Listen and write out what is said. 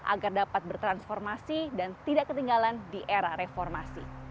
agar dapat bertransformasi dan tidak ketinggalan di era reformasi